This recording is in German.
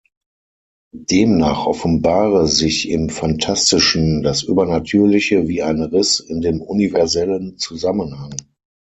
Demnach offenbare sich im Phantastischen das „Übernatürliche wie ein Riß in dem universellen Zusammenhang.